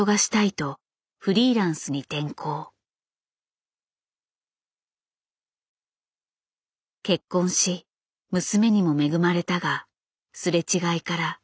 結婚し娘にも恵まれたがすれ違いからすぐに離婚。